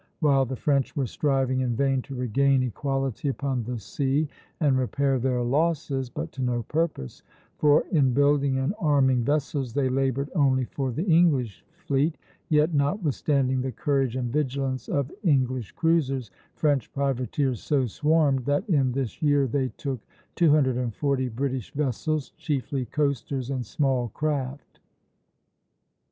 While the French were striving in vain to regain equality upon the sea and repair their losses, but to no purpose, for "in building and arming vessels they labored only for the English fleet," yet, "notwithstanding the courage and vigilance of English cruisers, French privateers so swarmed that in this year they took two hundred and forty British vessels, chiefly coasters and small craft."